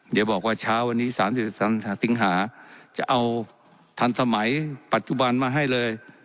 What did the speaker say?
เดี๋ยวบอกว่าเช้าวันนี้๓สิงหาจะเอาทันสมัยปัจจุบันมาให้เลย